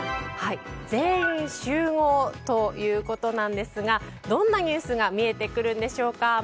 全員集合ということなんですがどんなニュースが見えてくるんでしょうか。